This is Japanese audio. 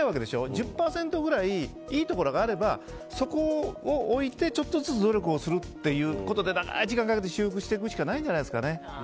１０％くらいいいところがあればそこを置いてちょっとずつ努力していくことで長い時間かけて修復していくしかないんじゃないですかね。